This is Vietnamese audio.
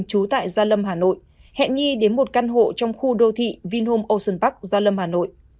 trú tại gia lâm hà nội hẹn nghi đến một căn hộ trong khu đô thị vinhome ocean park gia lâm hà nội